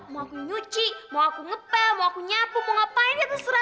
mau aku nyuci mau aku ngepel mau aku nyapu mau ngapain ya terserah